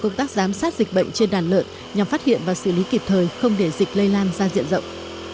công tác giám sát dịch bệnh trên đàn lợn nhằm phát hiện và xử lý kịp thời không để dịch lây lan ra diện rộng